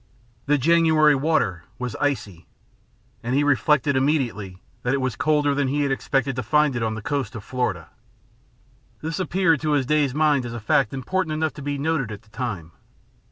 The January water was icy, and he reflected immediately that it was colder than he had expected to find it on the coast of Florida. This appeared to his dazed mind as a fact important enough to be noted at the time.